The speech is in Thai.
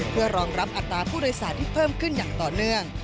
เพื่อรองรับอัตราผู้โดยสารที่เพิ่มขึ้นอย่างต่อเนื่อง